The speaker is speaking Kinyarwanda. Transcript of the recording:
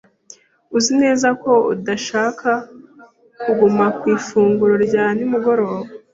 Uzi neza ko udashaka kuguma ku ifunguro rya nimugoroba?